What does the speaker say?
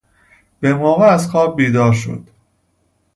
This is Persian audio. بموقع از خواب بیدار شد